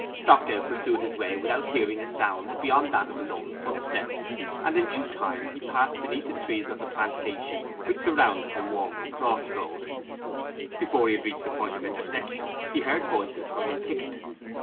Stockdale pursued his way without hearing a sound beyond that of his own footsteps; and in due time he passed beneath the trees of the plantation which surrounded the Warm'ell Cross road. Before he had reached the point of intersection he heard voices from the thicket.